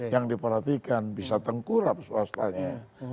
yang diperhatikan bisa tengkurap swastanya